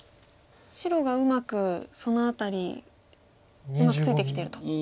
白がうまくその辺りうまくついてきてると。